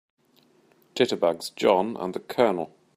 Jitterbugs JOHN and the COLONEL.